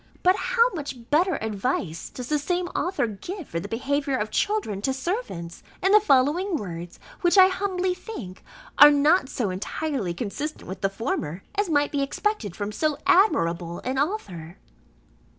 But how much better advice does the same author give for the behaviour of children to servants in the following words which, I humbly think, are not so entirely consistent with the former, as might be expected from so admirable an author.